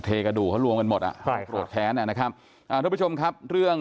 เทกระดูกเขารวมกันหมดอ่ะโปรดแท้นะครับ